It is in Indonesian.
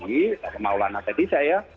kemau lana tadi saya